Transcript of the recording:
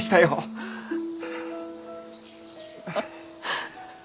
あっ。